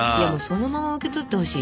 そのまま受け取ってほしいよね。